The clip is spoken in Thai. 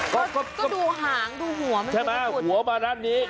ก็ดูหางดูหัวมันใช่ไหมหัวมาด้านนี้